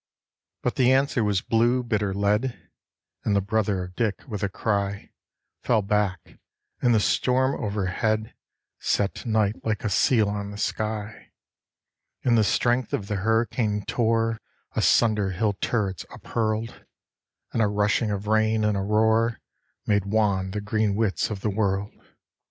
But the answer was blue, bitter lead, and the brother of Dick, with a cry, Fell back, and the storm overhead set night like a seal on the sky; And the strength of the hurricane tore asunder hill turrets uphurled; And a rushing of rain and a roar made wan the green widths of the world.